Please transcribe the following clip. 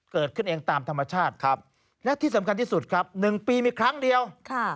ครับและที่สำคัญที่สุดครับหนึ่งปีมีครั้งเดียวค่ะ